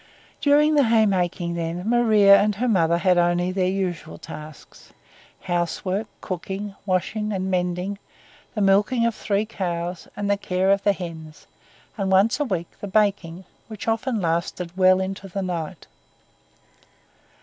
During the hay making then, Maria and her mother had only their usual tasks: housework, cooking, washing and mending, the milking of three cows and the care of the hens, and once a week the baking which often lasted well into the night.